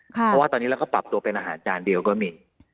เพราะว่าตอนนี้เราก็ปรับตัวเป็นอาหารจานเดียวก็มี